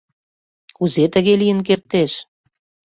— Кузе тыге лийын кертеш?